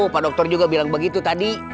pak dokter juga bilang begitu tadi